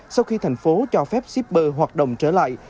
sau khi thành phố cho phép shipper hoạt động trở lại